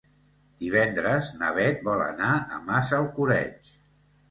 Divendres na Bet vol anar a Massalcoreig.